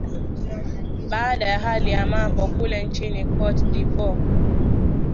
baada ya hali ya mambo kule nchini cote de voire